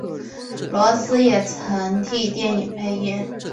罗斯也曾经替电影配音。